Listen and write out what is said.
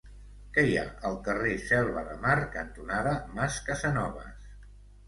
Què hi ha al carrer Selva de Mar cantonada Mas Casanovas?